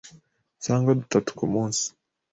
cyangwa dutatu ku munsi,